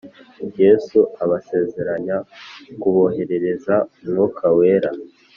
Yesu abasezeranya kuboherereza umwuka wera